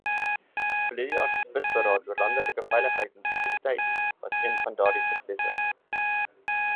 Verlede jaar se spitsberaad oor landelike veiligheid en sekuriteit was een van daardie suksesse.